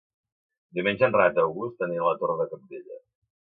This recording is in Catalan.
Diumenge en Renat August anirà a la Torre de Cabdella.